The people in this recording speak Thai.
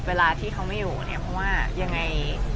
เวลาที่เขาไม่อยู่เนี่ยเพราะว่ายังไง